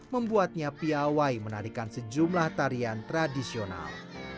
membuatnya piawai menarikan sejumlah tarian tradisional